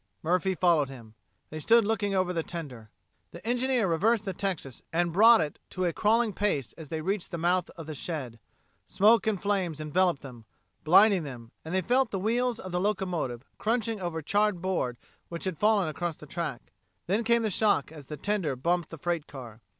Murphy followed him. They stood looking out over the tender. The engineer reversed the Texas and brought it to a crawling pace as they reached the mouth of the shed. Smoke and flames enveloped them, blinding them, and they felt the wheels of the locomotive crunching over charred board which had fallen across the track. Then came the shock as the tender bumped the freight car.